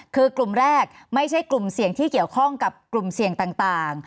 คือกลุ่มแรกไม่ใช่กลุ่มเสี่ยงที่เกี่ยวข้องกับกลุ่มเสี่ยงต่าง